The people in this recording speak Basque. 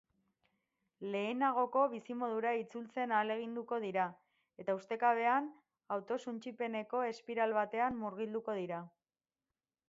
Lehenagoko bizimodura itzultzen ahaleginduko dira eta ustekabean autosuntsipeneko espiral batean murgilduko dira.